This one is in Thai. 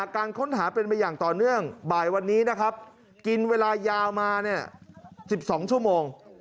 การค้นหาเป็นไปอย่างต่อเนื่องบ่ายวันนี้นะครับกินเวลายาวมา๑๒ชั่วโมง